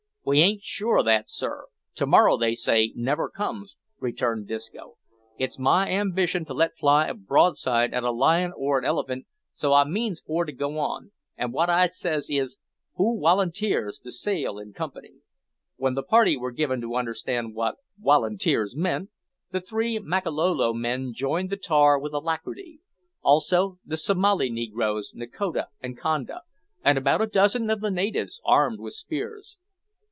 "We ain't sure o' that sir. To morrow, they say, never comes," returned Disco. "It's my ambition to let fly a broadside at a lion or a elephant so I means for to go on; an' wot I says is, Who wolunteers to sail in company?" When the party were given to understand what "wolunteers" meant, the three Makololo joined the tar with alacrity, also the Somali negroes Nakoda and Conda, and about a dozen of the natives, armed with spears.